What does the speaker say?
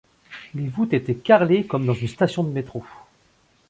Les voûtes étaient carrelées comme dans une station de métro.